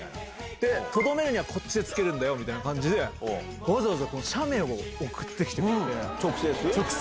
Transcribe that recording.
で、とどめるにはこっちつけるんだよって感じで、わざわざ写メを送っ直接？